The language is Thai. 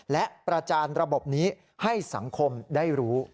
และประจานระบบนี้ให้สังคมได้รู้